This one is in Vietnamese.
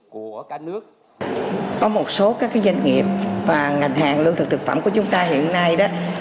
có một số các doanh nghiệp và ngành hàng lưu thực thực phẩm của chúng ta hiện nay